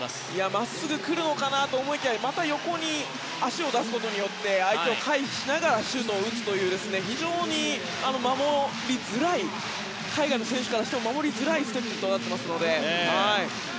真っすぐ来るのかと思いきやまた横に足を出すことで相手を回避しながらシュートを打つという非常に守りづらい海外の選手からしても守りづらいステップとなっていますので。